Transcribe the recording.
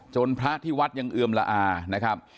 พระที่วัดยังเอือมละอานะครับ